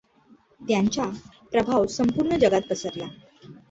त्यांचा प्रभाव संपूर्ण जगात पसरला.